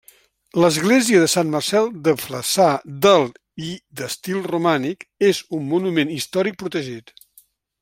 L'església de Sant Marcel de Flaçà, del i d'estil romànic, és un monument històric protegit.